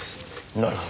なるほど。